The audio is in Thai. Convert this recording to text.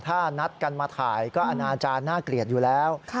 ถ้านัดกันมาถ่ายก็อนาจารย์น่าเกลียดอยู่แล้ว